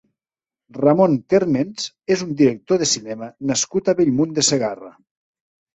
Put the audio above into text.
Ramon Térmens és un director de cinema nascut a Bellmunt de Segarra.